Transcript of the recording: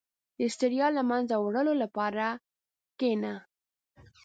• د ستړیا له منځه وړلو لپاره کښېنه.